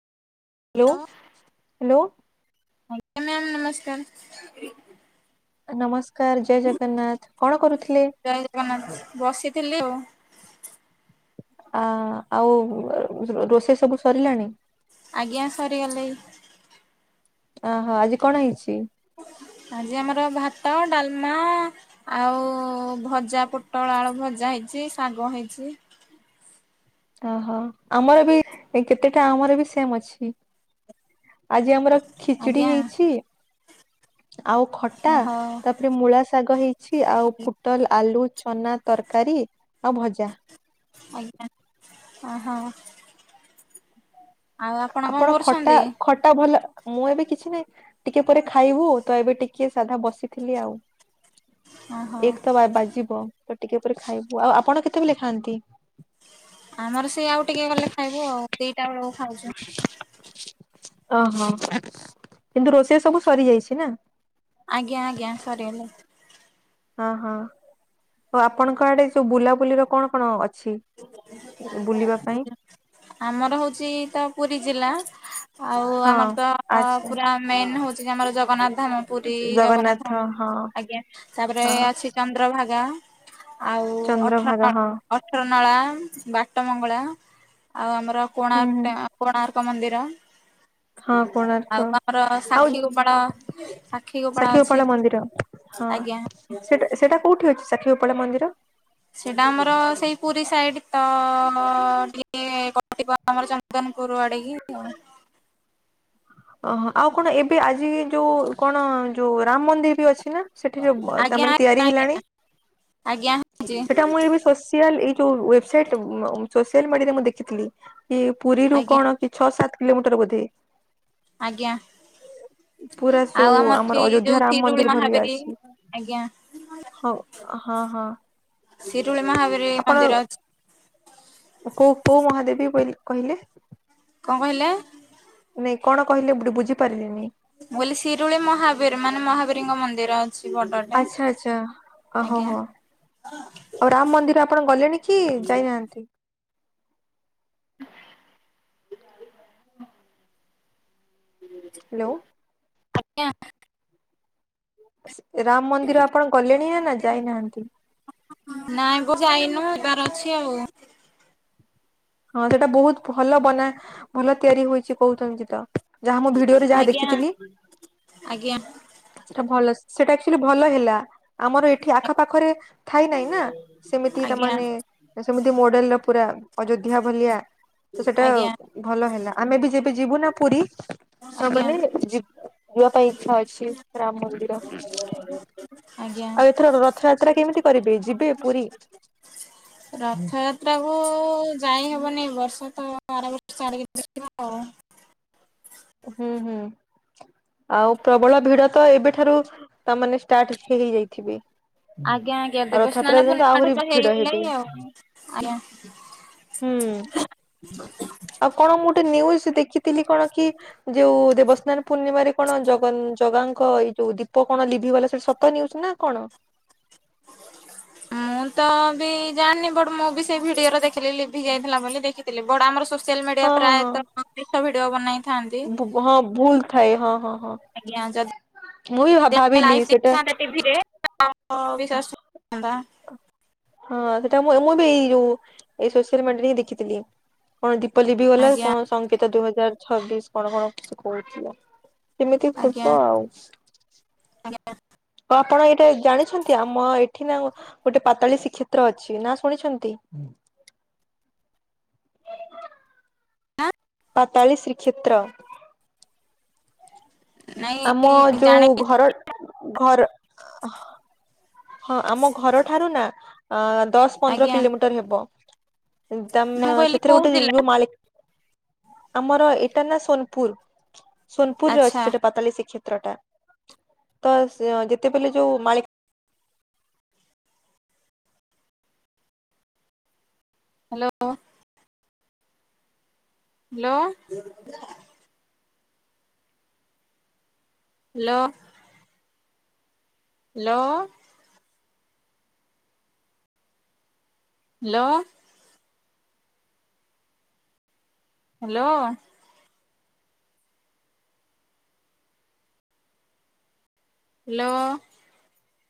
Hello hello. Ma'am ନମସ୍କାର। ନମସ୍କାର ଜୟ ଜଗନ୍ନାଥ କଣ କରୁଥିଲେ? ଜୟ ଜଗନ୍ନାଥ ବସିଥିଲି ଆଉ। ଆ ଆଉ ରୋଷେଇ ସବୁ ସରିଲାଣି। ଆଜ୍ଞା ସରିଗଲେ। ଅହୋ ଆଜି କଣ ହେଇଛି? ଆଜି ଆମର ଭାତ ଡାଲମା ଆଉ ଭଜା ପୋଟଳ ଆଳୁ ଭଜା ହେଇଛି ଶାଗ ହେଇଛି। ଓହୋ ଆମର ବି କେତେଟା ଆମର ବି ସେମ ଅଛି। ଆଜି ଆମର ଖିଚିଡି ଆଜ୍ଞା ହେଇଚି ଆଉ ଖଟ ଓ ହୋ। ଏରେ ମୂଳା ଶାଗ ହେଇଚି ଆଉ ପୋଟଲ ଆଲୁ ଚନା ତରକାରୀ, ଆଉ ଭଜା। ଆଜ୍ଞା, ଓ ହୋ। ଆପଣ ଖଟା, ଖଟା ଭଲ ମୁଁ ଏବେ କିଛି ନାହିଁ, ଟିକେ ପରେ ଖାଇବୁ, ତ ଏବେ ଟିକେ ସାଧା ବସିଥିଲି ଆଉ। ଓହୋ ଏକ ତ ବାଜିବ, ତ ଟିକେ ପରେ ଖାଇବୁ, ଆଉ ଆପଣ କେତେବେଳେ ଖାଆନ୍ତି? ଆମର ସେଇ ଆଉ ଟିକେ ଗଲେ ଖାଇବୁ ଆଉ, ଦିଟା ବେଳକୁ ଖାଉଚୁ। ଓହୋ, କିନ୍ତୁ ରୋଷେଇ ସବୁ ସରି ଯାଇଚି ନା? ଆଜ୍ଞା, ଆଜ୍ଞା, ସରିଗଲାଣି। ହଁ ହଁ, ଓ ଆପଣଙ୍କ ଆଡେ ଯୋଉ ବୁଲାବୁଲିର କଣ କଣ ଅଛି? ବୁଲିବା ପାଇଁ? ଆମର ହଉଚି ତ ପୁରୀ ଜିଲ୍ଲା। ଆଉ ହଁ ଆମର ତ, ଆଚ୍ଛା ପୁରା ମେନ ହଉଚି କି, ଆମର ଜଗନ୍ନାଥ ଧାମ। ପୁରୀ ଜଗନ୍ନାଥ ମନ୍ଦିର, ଆଜ୍ଞା, ତାପରେ ହଁ ଅଛି ଚନ୍ଦ୍ରଭାଗା। ଆଉ ଅଠର ଚନ୍ଦ୍ରଭାଗା ନଳା, ହଁ ଅଠର ନଳା, ବାଟ ମଙ୍ଗଳା। ଆଉ ଆମର ହୁଁ ହୁଁ କୋଣାର୍କ, କୋଣାର୍କ ମନ୍ଦିର। ହଁ କୋଣାର୍କ ଆଉ ଆମର ଆଉ ସାକ୍ଷୀ ଗୋପାଳ, ସାକ୍ଷୀ ଗୋପାଳ ସାକ୍ଷୀଗୋପାଳ ଅଛି। ଆଜ୍ଞା। ସେ, ସେଟା କୋଉଠି ଅଛି ସାକ୍ଷୀ ଗୋପାଳ ମନ୍ଦିର? ସେଇଟା ଆମର ସେଇ ପୁରୀ ସାଇଡ ତ, ଟିକେ [unintelligible] ଆମର ଚନ୍ଦନପୁର ଆଡେକି ଆଉ ଓହୋ, ଆଉ କଣ ଏବେ ଆଜି ଯୋଉ କଣ ଯୋଉ ରାମ ମନ୍ଦିର ବି ଅଛି ନା? ସେଠି ଯୋଉ ତା ଆଜ୍ଞା ମାନେ ତିଆରି ଆଜ୍ଞା ଆଜ୍ଞା। ହେଲାଣି, ଆଜ୍ଞା ହେଇଛି ସେଟା ମୁଁ ଏ ଏଇ ଯୋଉ ୱେବସାଇଟ, ସୋସିଆଲ ମିଡିଆରେ ମୁଁ ଦେଖିଥିଲି, ପୁରୀରୁୁ ଆଜ୍ଞା କଣ କି ଛଅ ସାତ କିଲୋମିଟର ବୋଧେ? ଆଜ୍ଞା। ପୁରା ଆଉ ଯୋଉ ଆମର ସେ ଅଯୋଧ୍ୟା ଯୋଉ ରାମ ମନ୍ଦିର ଶିରୁଳି ମହାବିରୀ, ଆଜ୍ଞା। ହଉ, ହଁ ହଁ। ଶିରୁଳି ମହାବୀର ଆପଣ ମନ୍ଦିର ଅଛି। କୋଉ କୋଉ ମହାଦେବୀ ପରି କହିଲେ? କଣ କହିଲେ? ନାଇଁ କଣ କହିଲେ, ଏପଟେ ବୁଝିପାରିଲିନି। ମୁଁ କହିଲି ଶିରୁଳି ମହାବୀର, ମାନେ ମହାବୀରଙ୍କ ମନ୍ଦିର। ଅଛି ବଡଟେ। ଆଛା, ଆଛା, ଓ ହୋ ଆଜ୍ଞା ହୋ। ଆଉ ରାମ ମନ୍ଦିର ଆପଣ ଗଲେଣି କି, ଯାଇନାହାନ୍ତି? [unintelligible] ହାଲୋ। ଆଜ୍ଞା ରାମ ମନ୍ଦିର ଆପଣ ଗଲେଣି ନା, ନା ଯାଇନାହାନ୍ତି? ନାଇଁ ଗୋ ଯାଇନୁ, ଏବାର ଅଛି ଆଉ। ହଁ ସେଇଟା ବହୁତ ଭଲ ବନା, ଭଲ ତିଆରି ହୋଇଚି କହୁଚନ୍ତି ତ। ଯାହା ମୁଁ ଭିଡିଓରେ ଯାହା ଆଜ୍ଞା। ଦେଖିଥିଲି। ଆଜ୍ଞା ସେଟା ଭଲ, ସେଟା ଆକୁଚୁଆଲି ଭଲ ହେଲା। ଆମର ଏଠି ଆଖପାଖରେ ଥାଇ ନାଇଁ ନା, ସେମିତି ତା ଆଜ୍ଞା ଆଜ୍ଞା ମାନେ ତ, ସେମିତି ମଡେଲ ର ପୁରା, ଅଯୋଧ୍ୟା ଭଳିଆ ତ ସେଟା ଭଲ ହେଲା, ଆମେ ବି ଯେବେ ଯିବୁ ନା ପୁରୀ ତା ଆଜ୍ଞା। ମାନେ ଯିବା ପାଇଁ ଇଛା ଅଛି ରାମ ମନ୍ଦିର। ଆଜ୍ଞା ଆଉ ଏଥର ରଥଯାତ୍ରା କେମିତି କରିବେ ଯିବେ ପୁରୀ? ରଥଯାତ୍ରାକୁୁ ଯାଇ ହବନି ବର୍ଷ ତ ବର୍ଷ ବର୍ଷକୁ ଆଉ। ହୁଁ ହୁଁ। ଆଉ ପ୍ରବଳ ଭିଡ ତ ଏବେଠାରୁ ତାମାନେେ ଷ୍ଟାର୍ଟ ହେଇଯାଇଥିବେ। ଆଜ୍ଞା ଆଜ୍ଞା ଆଉ ଦେବ ରଥଯାତ୍ରା ସ୍ନାନ ପର୍ଯ୍ୟନ୍ତ ପୂର୍ଣ୍ଣିମା ଠୁ ଆହୁରି ତ ଭିଡ ହେବେ ହେଇଗଲେ ଆଉ ଆଜ୍ଞା। ହୁଁ [unintelligible] ଆଉ କଣ ମୁଁ ଗୋଟେ ନ୍ୟୁଜ ଦେଖିଥିଲି କଣ କି? ଯୋଉ ଦେବସ୍ନାନ ପୂର୍ଣ୍ଣିମାରେ କଣ ଜ ଜଗାଙ୍କ ଏଇ ଯୋଉ ଦୀପ କଣ ଲିଭିିଗଲା ସେଇଟା କଣ ସତ? ସତ ନ୍ୟୁଜନା କଣ? ମୁଁ ତ ବି ଜାଣିନି ବଟ ମୁଁ ବି ସେଇ ଭିଡିଓରେ ଦେଖିଲି ଲିଭି ଯାଇଥିଲା ବୋଲି ଦେଖି। ବଡ ଆମର ସୋସିଆଲ ମିଡିଆ ହଁ ହଁ ହଁ ପ୍ରାୟତଃ ମିଛ ଭିଡିଓ ବନେଇଥାନ୍ତି। ହଁ ଭୁଲ ଥାଏ ହଁ ହଁ ହଁ ଆଜ୍ଞା ଯଦି ମୁଁ ବି ଭାବିଲି ସେଇଟା। ବିଶ୍ୱାସତା [unintelligible] ହଁ ସେଟା ମୁ ମୁଁ ବି ଏଇ ଯୋଉ ଏଇ ସୋସିଆ ମିଡିଆରେ ହିଁ ଦେଖିଥିଲି। କଣ ଦିପଜିଟି କଲା ଆଜ୍ଞା କଣ ସଂଙ୍କେତ ଦୁଇ ହଜାର ଛବିଶ କଣ କଣ କିଛି କହୁଥିଲା? କେମିତି ଫୁ ଆଜ୍ଞା ତ ଆଉ? ଆପଣ ଏଇଟା ଜାଣିଛନ୍ତି ଆମ ଏଠି ନା। ଗୋଟେ ପାତାଳୀ ଶ୍ରୀକ୍ଷେତ୍ର ଅଛି ନା ଶୁଣିଛନ୍ତି। ଆଜ୍ଞା ପାତାଳୀ ଶ୍ରୀକ୍ଷେତ୍ର। ଆମ ନାଇଁ ଯୋଉ ଜାଣେ ଘର ଘର। ହଁ ଆମ ଘର ଠାରୁ ନା ଦଶ ପନ୍ଦର ଆଜ୍ଞା କିଲୋମିଟର ହେବ। ତମ ମୁଁ କହିଲି ସେଥିରେ କୋଉ ଗୁଟେ ଜିଲ୍ଲା ଲେମ୍ବୁ ମାଳି। ଆମର ଏଇଟା ନା ସୋନପୁର ସୋନପୁରରେ ଅଛି ଆଚ୍ଛା ସେଟା। ପାତାଳି ଶ୍ରୀକ୍ଷେତ୍ର ଟା ତ ଯେତେବେଳେଯୋଉ ମାଳିକା। Hello. Hello. Hello. Hello. Hello. Hello. Hello.